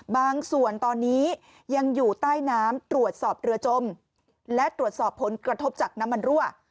บางส่วนตอนนี้ยังอยู่ใต้น้ำตรวจสอบเรือจมและตรวจสอบผลกระทบจากน้ำมันรั่ว